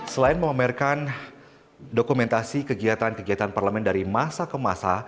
selain memamerkan dokumentasi kegiatan kegiatan parlemen dari masa ke masa